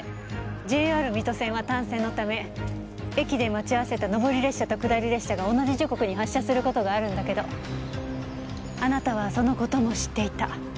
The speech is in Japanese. ＪＲ水戸線は単線のため駅で待ち合わせた上り列車と下り列車が同じ時刻に発車する事があるんだけどあなたはその事も知っていた。